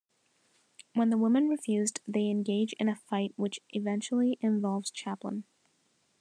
When the woman refused, they engage in a fight which eventually involves Chaplin.